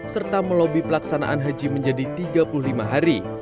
serta melobi pelaksanaan haji menjadi tiga puluh lima hari